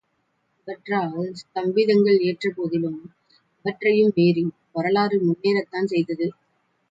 இவற்றால் ஸ்தம்பிதங்கள் ஏற்பட்டபோதிலும் இவற்றையும் மீறி வரலாறு முன்னேறத்தான் செய்தது.